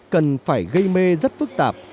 cần phải gây mê rất phức tạp